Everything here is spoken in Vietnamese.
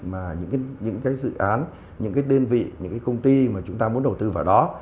mà những cái dự án những cái đơn vị những cái công ty mà chúng ta muốn đầu tư vào đó